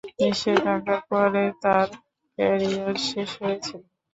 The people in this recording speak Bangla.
নিষেধাজ্ঞার পরে তার কেরিয়ার শেষ হয়েছিল।